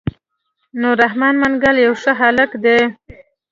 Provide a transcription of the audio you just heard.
نور رحمن منګل يو ښه هلک دی.